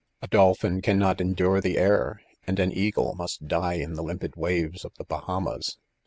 ■" A dolphin 'Cannot endure" the air ; and am eagle must fiie in the limpid waves of the Bahamas.